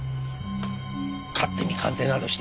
勝手に鑑定などして。